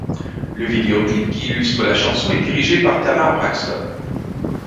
Le vidéo clip qui illustre la chanson est dirigé par Tamar Braxton.